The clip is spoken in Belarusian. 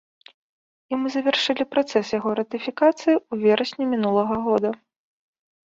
І мы завяршылі працэс яго ратыфікацыі ў верасні мінулага года.